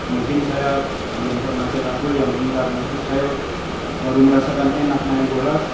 mungkin saya belum pernah setakul ya mungkin karena itu saya baru merasakan enak main bola